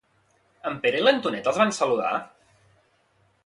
En Pere i l'Antonet els van saludar?